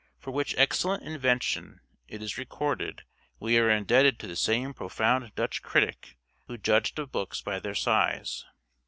For which excellent invention, it is recorded, we are indebted to the same profound Dutch critic who judged of books by their size.